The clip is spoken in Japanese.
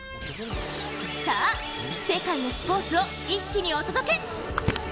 さあ、世界のスポーツを一気にお届け！